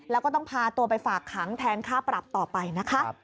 แล้วก็ต้องพาตัวไปฝากขังแทนค่าปรับต่อไปนะคะ